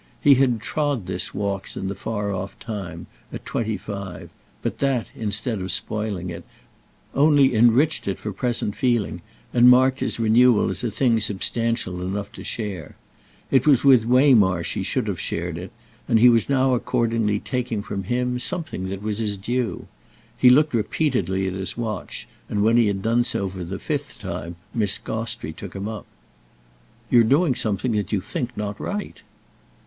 He had trod this walks in the far off time, at twenty five; but that, instead of spoiling it, only enriched it for present feeling and marked his renewal as a thing substantial enough to share. It was with Waymarsh he should have shared it, and he was now accordingly taking from him something that was his due. He looked repeatedly at his watch, and when he had done so for the fifth time Miss Gostrey took him up. "You're doing something that you think not right."